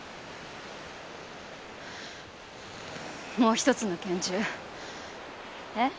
もう一つの拳銃。え？